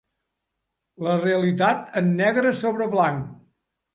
La realitat en negre sobre blanc.